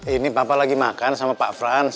ini papa lagi makan sama pak frans